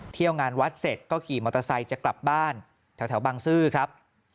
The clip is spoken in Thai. เที่ยวงานวัดเสร็จก็ขี่มอเตอร์ไซค์จะกลับบ้านแถวบางซื่อครับ